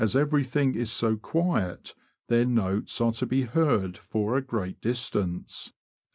217 everything is so quiet, their notes are to be heard for a great distance.